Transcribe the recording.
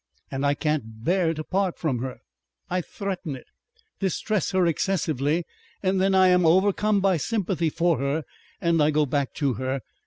And I can't bear to part from her. I threaten it, distress her excessively and then I am overcome by sympathy for her and I go back to her....